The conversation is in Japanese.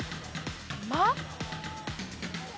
「ま」？